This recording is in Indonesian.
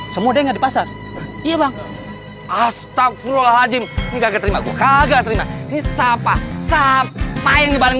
semua denger di pasar iya bang astagfirullahaladzim nggak terima kaget ini sapa sapa yang dibaling